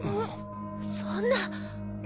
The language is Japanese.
そんな。